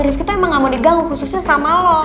rifqi tuh emang gak mau diganggu khususnya sama lo